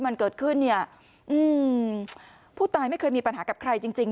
มันเกิดขึ้นเนี่ยอืมผู้ตายไม่เคยมีปัญหากับใครจริงจริง